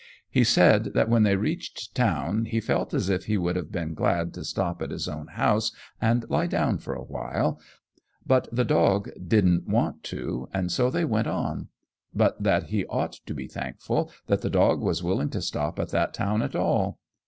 He said that when they reached town he felt as if he would have been glad to stop at his own house and lie down for awhile, but the dog didn't want to, and so they went on; but that he ought to be thankful that the dog was willing to stop at that town at all.